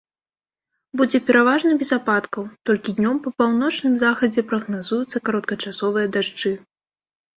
Будзе пераважна без ападкаў, толькі днём па паўночным захадзе прагназуюцца кароткачасовыя дажджы.